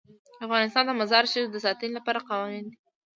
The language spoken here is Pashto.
افغانستان د مزارشریف د ساتنې لپاره قوانین لري.